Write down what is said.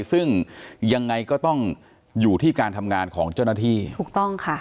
ซึ่งยังไงก็ต้องอยู่ที่การทำงานของเจ้าหน้าที่ถูกต้องค่ะ